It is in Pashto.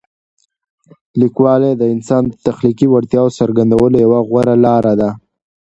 لیکوالی د انسان د تخلیقي وړتیاوو څرګندولو یوه غوره لاره ده.